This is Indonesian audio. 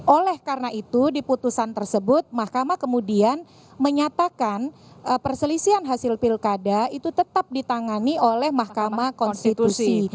oleh karena itu di putusan tersebut mahkamah kemudian menyatakan perselisihan hasil pilkada itu tetap ditangani oleh mahkamah konstitusi